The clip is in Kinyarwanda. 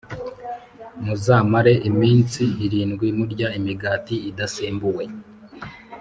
Muzamare iminsi irindwi murya imigati idasembuwe